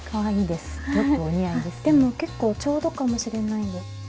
でも結構ちょうどかもしれない。